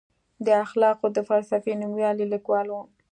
د اخلاقو د فلسفې نوميالی لیکوال و.